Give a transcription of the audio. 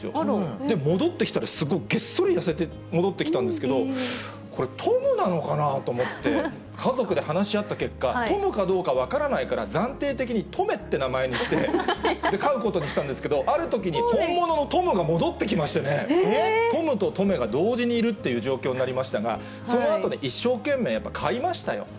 で、戻ってきたら、すごくげっそり痩せて戻ってきたんですけど、これ、トムなのかなと思って、家族で話し合った結果、トムかどうか分からないから、暫定的にトメって名前にして飼うことにしたんですけど、あるときに、本物のトムが戻ってきましてね、トムとトメが同時にいるっていう状況になりましたが、そのあとで一生懸命飼いましたよ。